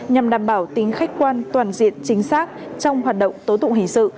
nhằm đảm bảo tính khách quan toàn diện chính xác trong hoạt động tố tụng hình sự